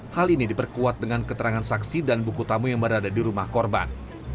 hal ini diperkuat dengan keterangan saksi dan buku tamu yang berada di rumah korban